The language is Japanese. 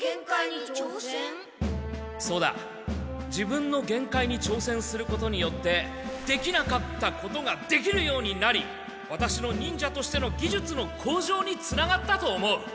そうだ自分の限界に挑戦することによってできなかったことができるようになりワタシの忍者としてのぎじゅつの向上につながったと思う。